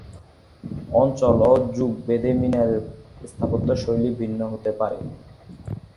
অঞ্চল ও যুগ ভেদে মিনারের স্থাপত্যশৈলী ভিন্ন হতে পারে।